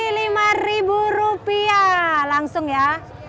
ocati lima rupiah langsung ya